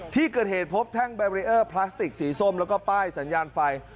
ที่เกิดเหตุพบแท่งแบรีเออร์พลาสติกสีส้มแล้วก็ป้ายสัญญาณไฟ